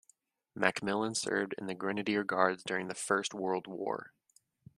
Macmillan served in the Grenadier Guards during the First World War.